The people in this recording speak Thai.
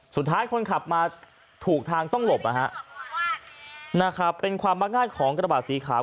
สุดท้ายคนขับมาถูกทางต้องหลบนะฮะเป็นความมักง่ายของกระบะสีขาว